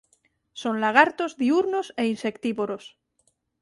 Son lagartos diúrnos e insectívoros.